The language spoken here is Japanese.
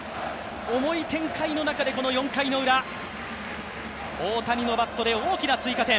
重い展開の中でこの４回のウラ、大谷のバットで大きな追加点。